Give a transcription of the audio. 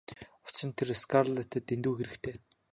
Учир нь тэр Скарлеттад дэндүү хэрэгтэй.